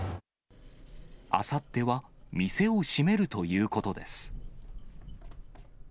あさっては店を閉めるということです。